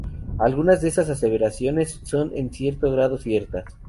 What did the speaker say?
Algunas de esas aseveraciones son en cierto grado ciertas.